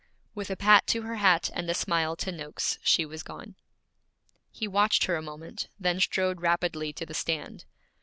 With a pat to her hat and a smile to Noakes, she was gone. He watched her a moment, then strode rapidly to the stand.